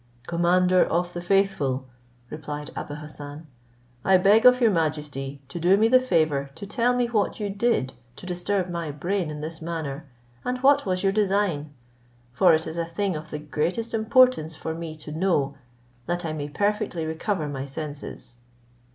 "Commander of the faithful," replied Abou Hassan, "I beg of your majesty to do me the favour to tell me what you did to disturb my brain in this manner, and what was your design; for it is a thing of the greatest importance for me to know, that I may perfectly recover my senses."